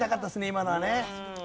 今のはね。